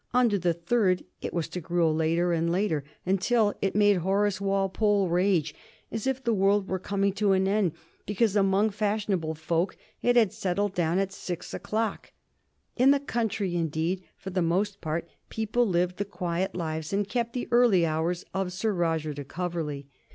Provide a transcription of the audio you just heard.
Under the third it was to grow later and later, until it made Horace Walpole rage as if the world were coming to an end because among fashionable folk it had settled itself at six o'clock. In the country, indeed, for the most part people lived the quiet lives and kept the early hours of Sir Roger de Coverley.